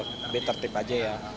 lebih tertip aja ya